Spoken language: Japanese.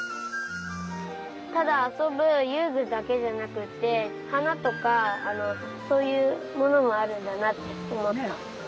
ただあそぶゆうぐだけじゃなくってはなとかそういうものもあるんだなっておもった。